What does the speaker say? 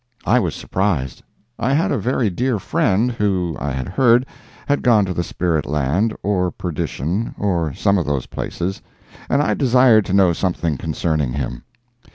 I was surprised. I had a very dear friend, who, I had heard, had gone to the spirit land, or perdition, or some of those places, and I desired to know something concerning him.